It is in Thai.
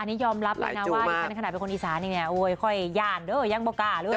อันนี้ยอมรับนะว่าในขณะเป็นคนอีสานี้ค่อยย่านยังบอกก้าด้วย